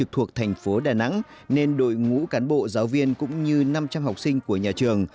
thuộc thành phố đà nẵng nên đội ngũ cán bộ giáo viên cũng như năm trăm linh học sinh của nhà trường